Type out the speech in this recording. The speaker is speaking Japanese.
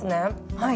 はい。